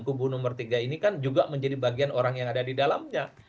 kubu nomor tiga ini kan juga menjadi bagian orang yang ada di dalamnya